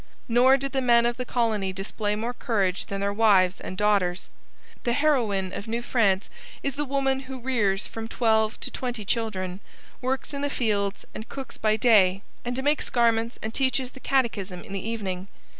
Nor did the men of the colony display more courage than their wives and daughters. The heroine of New France is the woman who rears from twelve to twenty children, works in the fields and cooks by day, and makes garments and teaches the catechism in the evening.